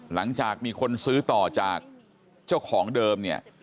หลังจากมีคนซื้อต่อจากเจ้าของเดิมเนี่ย